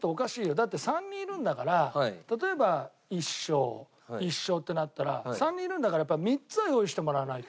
だって３人いるんだから例えば１勝１勝ってなったら３人いるんだからやっぱ３つは用意してもらわないと。